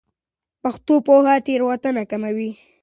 پښتو پوهه تېروتنه کموي.